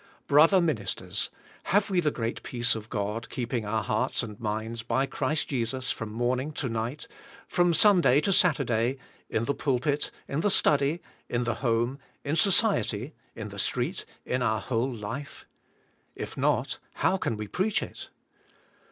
Brother ministers, have we the great peace of God keeping our hearts and minds by Christ Jesus from morning to night, from Sunday to Saturday, in the pulpit, in the study, in the home, in society, in the street, in our whole life? If not, how can we preach it